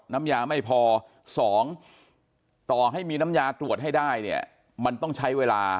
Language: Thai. น้ำยาไม่พอสองต่อให้มีน้ำยาตรวจให้ได้เนี่ยมันต้องใช้เวลา